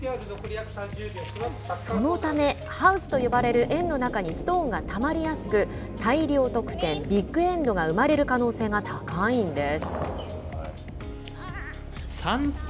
そのため、ハウスと呼ばれる円の中にストーンがたまりやすく大量得点、ビッグエンドが生まれる可能性が高いんです。